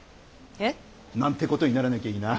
え？なんてことにならなきゃいいな。